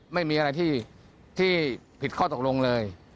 ไม่มีอะไรที่ผิดข้อตกลงเลย